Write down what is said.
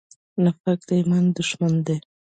نفاق د ایمان دښمن دی.